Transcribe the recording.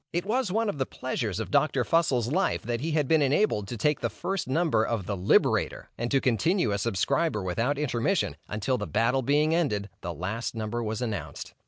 It was one of the pleasures of Dr. Fussell's life that he had been enabled to take the first number of the "Liberator," and to continue a subscriber without intermission, until the battle being ended, the last number was announced.